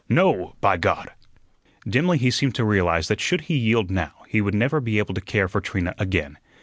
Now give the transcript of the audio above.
No, by God!" Dimly he seemed to realize that should he yield now he would never be able to care for Trina again.